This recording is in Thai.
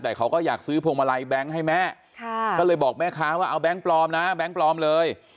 แต่เขาก็อยากซื้อพวงมาลัยแบงค์ให้แม่ก็เลยบอกแม่ค้าว่าเอาแก๊งปลอมนะแบงค์ปลอมเลย